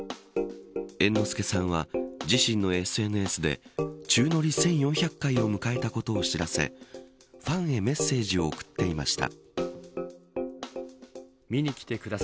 猿之助さんは自身のＳＮＳで宙乗り１４００回を迎えたことを知らせファンへメッセージを送っていました。